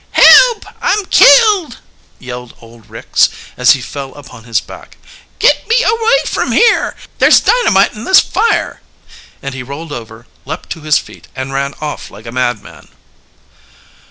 "Help! I'm killed!" yelled old Ricks, as he fell upon his back. "Get me away from here! There's dynamite in this fire!" And he rolled over, leapt to his feet, and ran off like a madman.